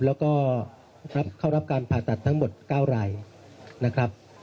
แล้วก็เข้ารับการผ่าตัดทั้งหมด๙รายนะครับ